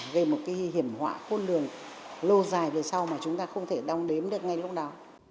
về một cái hiểm họa khôn lường lâu dài về sau mà chúng ta không thể đong đếm được ngay lúc đó